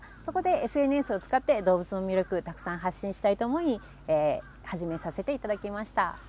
ＳＮＳを使って動物の魅力をたくさん発信したいと思って始めさせていただきました。